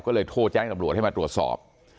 ก็เลยโทรแจ้งตำรวจให้มาตรวจสอบ